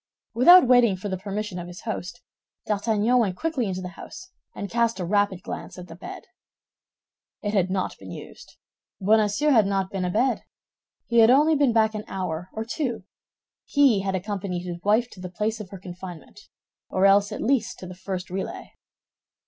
Without waiting for the permission of his host, D'Artagnan went quickly into the house, and cast a rapid glance at the bed. It had not been used. Bonacieux had not been abed. He had only been back an hour or two; he had accompanied his wife to the place of her confinement, or else at least to the first relay.